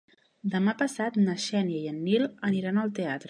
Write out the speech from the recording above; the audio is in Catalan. Demà passat na Xènia i en Nil aniran al teatre.